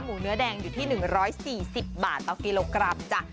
เนื้อแดงอยู่ที่๑๔๐บาทต่อกิโลกรัมจ้ะ